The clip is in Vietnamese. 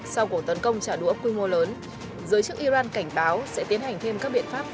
sau cuộc tấn công trả đũa quy mô lớn giới chức iran cảnh báo sẽ tiến hành thêm các biện pháp